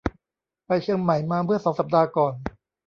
ไปเชียงใหม่มาเมื่อสองสัปดาห์ก่อน